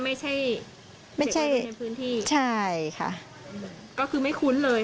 ไม่ใช่เด็กวัยรุ่นในพื้นที่ใช่ค่ะก็คือไม่คุ้นเลย